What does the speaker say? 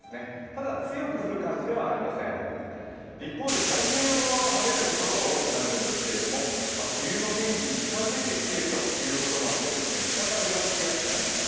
ただ、強く降る感じではありません一方で太平洋側は晴れるところが多くなるんですけれども冬の天気に近づいてきているということもあって北風が吹きやすくなります。